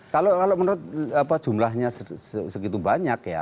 kalau menurut jumlahnya segitu banyak ya